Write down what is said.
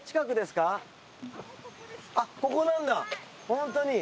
ホントに。